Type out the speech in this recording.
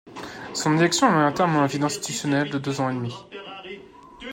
Son élection met un terme à un vide institutionnel de deux ans et demi.